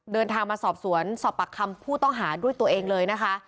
เดินทางมาสอบสวนสอบปากคำผู้ต้องหาด้วยตัวเองเลยนะคะ